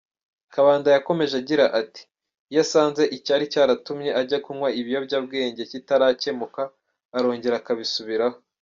Kabanda yakomeje agira ati “Iyo asanze icyari cyaratumye ajya kunywa ibiyobyabwenge kitarakemuka arongera akabisubiraho.